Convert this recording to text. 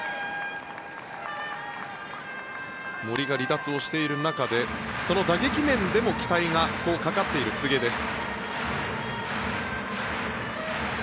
森が離脱をしている中でその打撃面でも期待がかかっている柘植です。